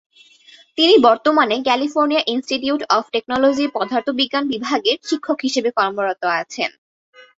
তিনি বর্তমানে California institute of টেকনোলজির পদার্থবিজ্ঞান বিভাগের শিক্ষক হিসেবে কর্মরত আছেন।